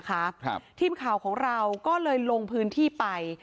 ข้อที่จริงว่าคลิปนี้